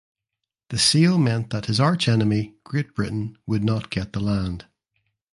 The sale meant that his archenemy Great Britain would not get the land.